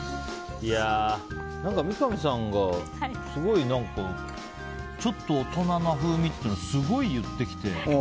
何か、三上さんがすごいちょっと大人な風味っていうのをすごい言ってきて。